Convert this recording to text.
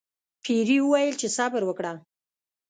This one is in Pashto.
پیري وویل چې صبر وکړه.